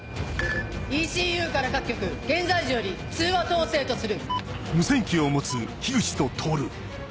ＥＣＵから各局現在時より通話統制とする。